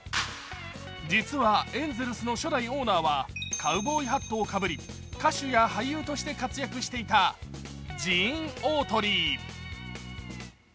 実はエンゼルスの初代オーナーはカウボーイハットをかぶり、歌手や俳優として活躍していたジーン・オートリー。